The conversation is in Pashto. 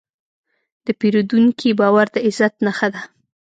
د پیرودونکي باور د عزت نښه ده.